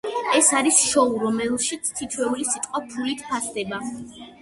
ეს არის შოუ, რომელშიც თითოეული სიტყვა ფულით ფასდება.